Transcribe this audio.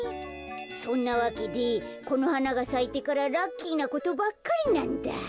そんなわけでこの花がさいてからラッキーなことばっかりなんだ。